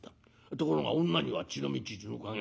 ところが女には血の道血の加減。